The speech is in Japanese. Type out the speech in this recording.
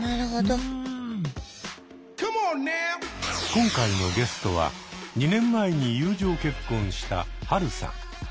今回のゲストは２年前に友情結婚したハルさん。